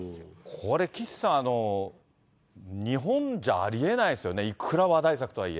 これ、岸さん、日本じゃありえないですよね、いくら話題作とはいえ。